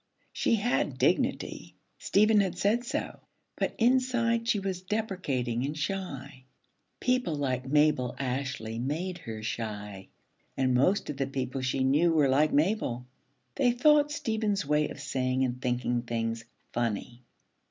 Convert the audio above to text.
She had dignity; Stephen had said so; but inside she was deprecating and shy. People like Mabel Ashley made her shy, and most of the people she knew were like Mabel. They thought Stephen's way of saying and thinking things 'funny.'